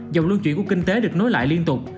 dòng luân chuyển của kinh tế được nối lại liên tục